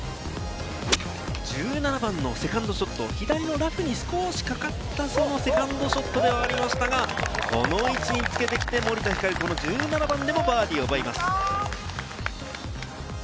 １７番のセカンドショット、左のラフに少しかかった、そのセカンドショットでは、ありましたが、この位置につけてきて、森田遥、この１７番でもバーディーを奪います。